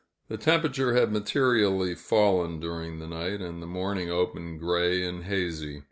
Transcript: The temperature had materially fallen during the night, and the morning opened gray and hazy.